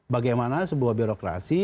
bagaimana sebuah birokrasi